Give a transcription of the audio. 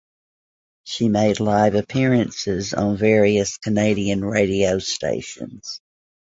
She made live appearances on various Canadian radio stations.